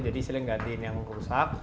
jadi silahkan gantiin yang rusak